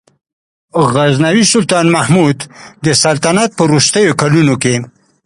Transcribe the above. غزنوي سلطان مسعود د سلطنت په وروستیو کلونو کې.